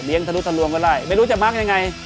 ทะลุทะลวงก็ได้ไม่รู้จะมาร์คยังไง